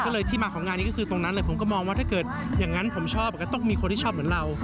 ก็เลยที่มาของงานนี้ก็คือตรงนั้นเลยผมก็มองว่าถ้าเกิดอย่างนั้นผมชอบก็ต้องมีคนที่ชอบเหมือนเรา